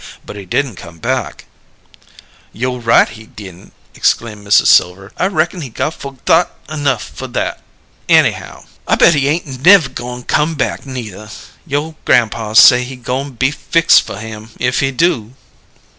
But he didn't come back." "Yo' right he didn'!" exclaimed Mrs. Silver. "I reckon he got fo'thought 'nough fer that, anyhow! I bet he ain't nev' goin' come back neither. You' grampaw say he goin' be fix fer him, if he do."